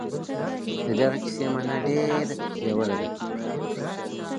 د دغي کیسې مانا ډېره ژوره ده.